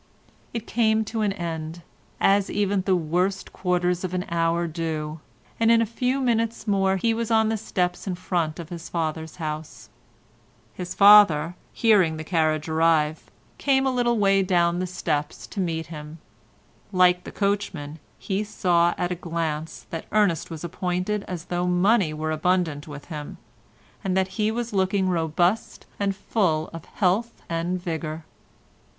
It came to an end, as even the worst quarters of an hour do, and in a few minutes more he was on the steps in front of his father's house. His father, hearing the carriage arrive, came a little way down the steps to meet him. Like the coachman he saw at a glance that Ernest was appointed as though money were abundant with him, and that he was looking robust and full of health and vigour.